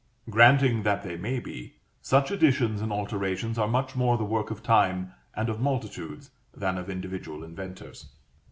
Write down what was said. Granting that they may be, such additions or alterations are much more the work of time and of multitudes than of individual inventors.